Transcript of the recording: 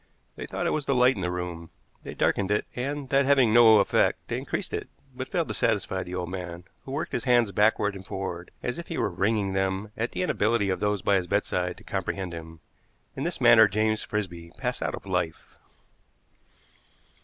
They thought it was the light in the room. They darkened it, and, that having no effect, they increased it, but failed to satisfy the old man, who worked his hands backward and forward as if he were wringing them at the inability of those by his bedside to comprehend him. In this manner James Frisby passed out of life.